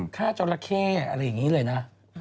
ฆ่าเจ้าละแค่อะไรอย่างนี้เลยนะ